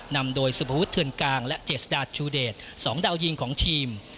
นำโดยสุภวุฒเทือนกลางและเจษฎาชูเดช๒ดาวยิงของทีม